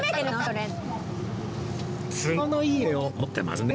都合のいい目を持ってますね